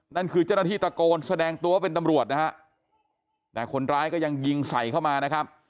นั่นคือเจ้าหน้าที่ตะโกนแสดงตัวเป็นตำรวจนะฮะแต่คนร้ายก็ยังยิงใส่เข้ามานะครับ